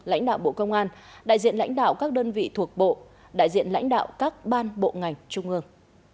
lãnh đạo bộ công an đại diện lãnh đạo các đơn vị thuộc bộ đại diện lãnh đạo các ban bộ ngành trung ương